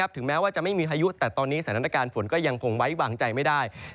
ถึงแม้ว่าจะไม่มีพายุแต่ตอนนี้สถานการณ์ฝนก็ยังคงไว้วางใจไม่ได้